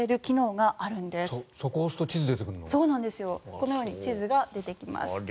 このように地図が出てきます。